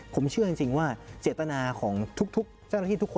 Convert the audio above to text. ผมเชื่อจริงว่าเจตนาของทุก